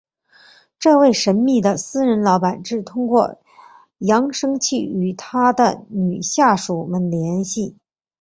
这位神秘的私人老板只通过扬声器与他的女下属们联系。